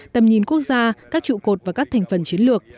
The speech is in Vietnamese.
tầm nhìn quốc gia các trụ cột và các thành phần chiến lược